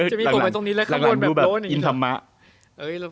จะมีผมอยู่ตรงนี้แล้วข้างบนแบบโล้น